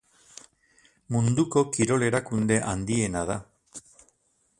Munduko kirol erakunde handiena da.